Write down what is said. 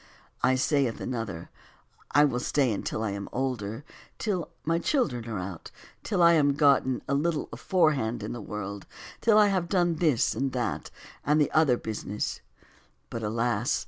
I, saith another, will stay till I am older, till my children are out, till I am gotten 151 THE WORLD'S FAMOUS ORATIONS a little aforehand in the world, till I have done this and that, and the other business: but, alas